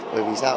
bởi vì sao